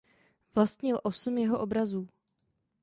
Vlastnil osm jeho obrazů.